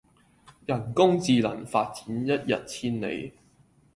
人工智能發展一日千里